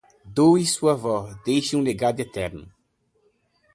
Doe sua voz, deixe um legado eterno